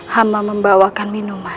hama membawakan minuman